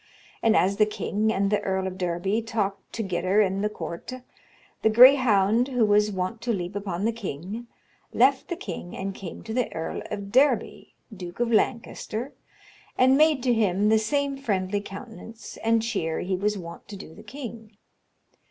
And as the kynge and the Erle of Derby talked togyder in the courte, the grayhounde, who was wont to leape upon the kynge, left the kynge and came to the Erle of Derby, duke of Lancaster, and made to hym the same friendly countenance and chere he was wont to do the kynge.